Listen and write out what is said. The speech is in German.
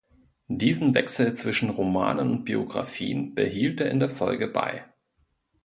Diesen Wechsel zwischen Romanen und Biografien behielt er in der Folge bei.